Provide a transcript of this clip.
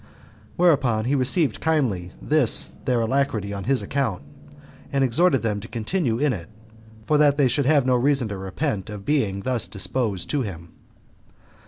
Whereupon he received kindly this their alacrity on his account; and exhorted them to continue in it, for that they should have no reason to repent of being thus disposed to him.